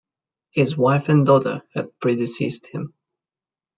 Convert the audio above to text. His wife and daughter had predeceased him.